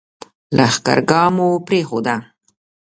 لښکرګاه مو پرېښوده.